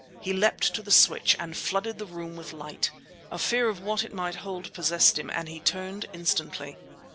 He leapt to the switch and flooded the room with light. A fear of what it might hold possessed him, and he turned instantly.